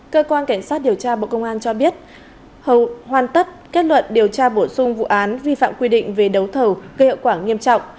cơ quan cảnh sát điều tra bộ công an cho biết hoàn tất kết luận điều tra bổ sung vụ án vi phạm quy định về đấu thầu gây hậu quả nghiêm trọng